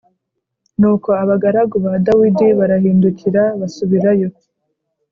Nuko abagaragu ba Dawidi barahindukira basubirayo